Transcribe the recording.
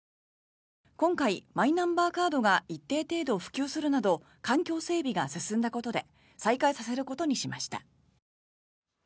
今回、マイナンバーカードが一定程度普及するなど環境整備が進んだことで再開させることにしました。